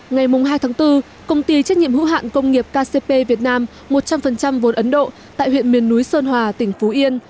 ngày hai tháng bốn công ty trách nhiệm hữu hạn công nghiệp kcp việt nam một trăm linh vốn ấn độ tại huyện miền núi sơn hòa tỉnh phú yên